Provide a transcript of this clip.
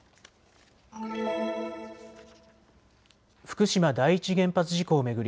福島第一原発事故を巡り